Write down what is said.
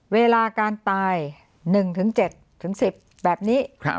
เวลาการตายหนึ่งถึงเจ็ดถึงสิบแบบนี้ครับ